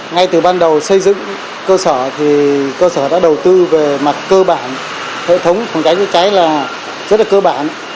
ngay từ ban đầu xây dựng cơ sở thì cơ sở đã đầu tư về mặt cơ bản hệ thống phòng cháy chữa cháy là rất là cơ bản